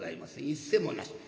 一銭もなし。